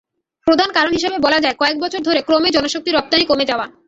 প্রধান কারণ হিসেবে বলা যায়, কয়েক বছর ধরে ক্রমেই জনশক্তি রপ্তানি কমে যাওয়া।